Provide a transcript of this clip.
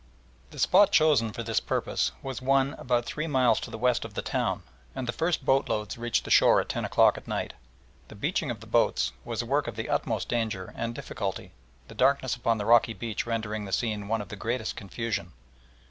The spot chosen for this purpose was one about three miles to the west of the town, and the first boatloads reached the shore at ten o'clock at night. The beaching of the boats was a work of the utmost danger and difficulty, the darkness upon the rocky beach rendering the scene one of the greatest confusion.